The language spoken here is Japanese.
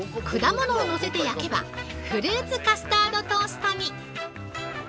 果物を載せて焼けば、フルーツカスタードトーストに！